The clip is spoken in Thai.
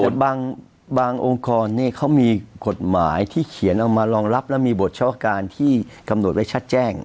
บางองค์กรเขามีกฎหมายที่เขียนเอามารองรับและมีบทเฉพาะการที่กำหนดไว้ชัดแจ้ง